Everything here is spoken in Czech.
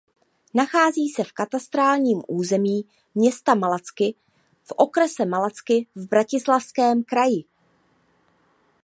Nachází se v katastrálním území města Malacky v okrese Malacky v Bratislavském kraji.